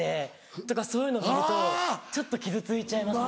だからそういういうのを見るとちょっと傷ついちゃいますね。